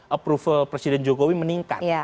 approval presiden jokowi meningkat